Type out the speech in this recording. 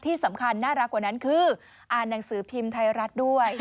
ที่สำคัญน่ารักกว่านั้นคืออ่านหนังสือพิมพ์ไทยรัฐด้วย